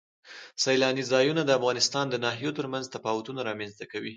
سیلانی ځایونه د افغانستان د ناحیو ترمنځ تفاوتونه رامنځ ته کوي.